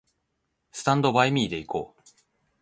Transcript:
スタンドバイミーで行こう